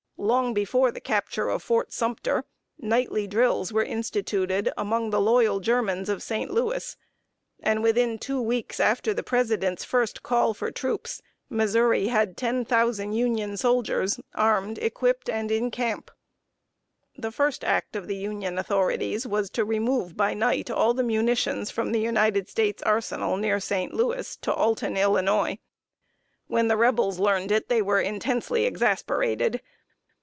Long before the capture of Fort Sumter, nightly drills were instituted among the loyal Germans of St. Louis; and within two weeks after the President's first call for troops, Missouri had ten thousand Union soldiers, armed, equipped, and in camp. The first act of the Union authorities was to remove by night all the munitions from the United States Arsenal near St. Louis, to Alton, Illinois. When the Rebels learned it, they were intensely exasperated.